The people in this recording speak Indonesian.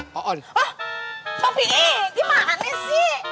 hah bang pi'i gimana sih